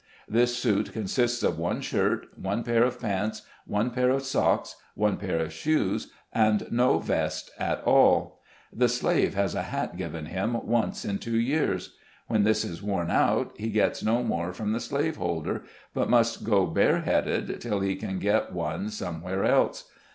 This suit consists of one shirt, one pair of pants, one pair of socks, one pair of shoes, and no vest at all. The slave has a hat given him once in two years ; when this is worn out, he gets no more from the slave holder, but must OVERSEERS. 179 go bareheaded till he can get one somewhere else.